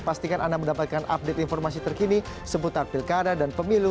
pastikan anda mendapatkan update informasi terkini seputar pilkada dan pemilu